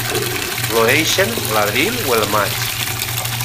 Floreixen l'abril o el maig.